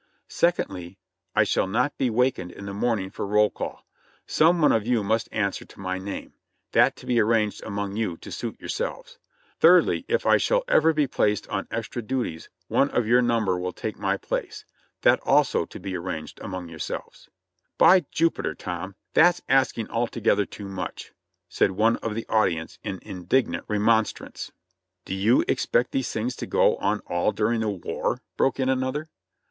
Second ly, I shall not be wakened in the morning for roll call ; some one of you must answer to my name ; that to be arranged among you to suit yourselves. Thirdly, if I shall ever be placed on extra du ties one of your number will take my place; that also to be ar ranged among yourselves." "By Jupiter, Tom ! that's asking altogether too much," said one of the audience in indignant remonstrance. "Do you expect these things to go on all during the war?" broke in another.